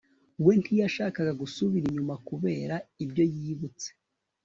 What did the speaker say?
we ntiyashakaga gusubira inyuma kubera ibyo yibutse